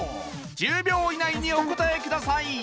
１０秒以内にお答えください